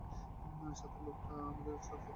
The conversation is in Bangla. সাথের লোকটা আমাদের ছদ্মবেশী এজেন্ট।